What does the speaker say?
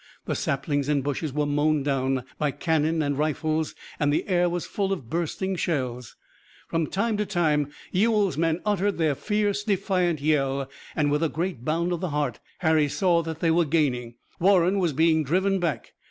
The saplings and bushes were mown down by cannon and rifles and the air was full of bursting shells. From time to time Ewell's men uttered their fierce, defiant yell, and with a great bound of the heart Harry saw that they were gaining. Warren was being driven back.